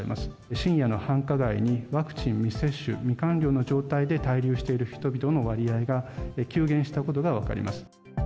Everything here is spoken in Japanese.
深夜の繁華街にワクチン未接種、未完了の状態で滞留している人々の割合が急減したことが分かります。